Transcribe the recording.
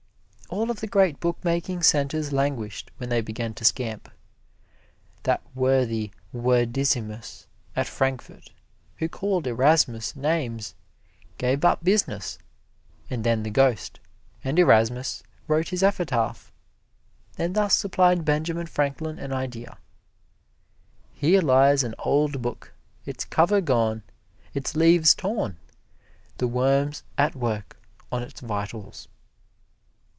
All of the great bookmaking centers languished when they began to scamp. That worthy wordissimus at Frankfort who called Erasmus names gave up business and then the ghost, and Erasmus wrote his epitaph, and thus supplied Benjamin Franklin an idea "Here lies an old book, its cover gone, its leaves torn, the worms at work on its vitals."